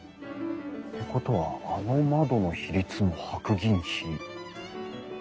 ってことはあの窓の比率も白銀比。